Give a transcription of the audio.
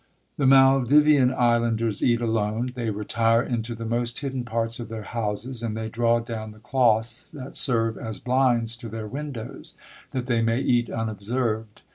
The Maldivian islanders eat alone. They retire into the most hidden parts of their houses; and they draw down the cloths that serve as blinds to their windows, that they may eat unobserved.